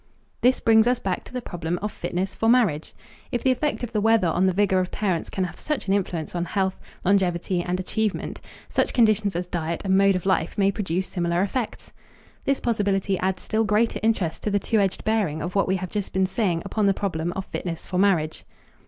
This brings us back to the problem of fitness for marriage. If the effect of the weather on the vigor of parents can have such an influence on health, longevity and achievement, such conditions as diet and mode of life may produce similar effects. This possibility adds still greater interest to the two edged bearing of what we have just been saying upon the problem of fitness for marriage.